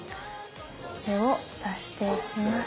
これを出していきます。